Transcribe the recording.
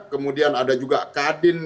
kemudian ada juga kadin